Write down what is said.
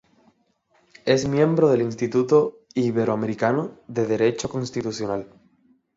Es miembro del Instituto Iberoamericano de Derecho Constitucional.